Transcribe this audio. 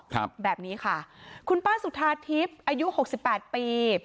ครับแบบนี้ค่ะคุณป้าสุธาทิพย์อายุหกสิบแปดปี